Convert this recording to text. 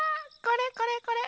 これこれこれ。